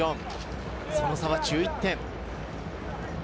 その差は１１点。